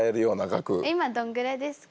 今どんぐらいですか？